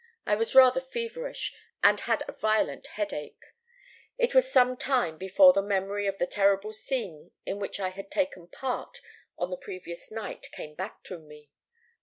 I was rather feverish, and had a violent headache. It was some time before the memory of the terrible scene in which I had taken part on the previous night came back to me.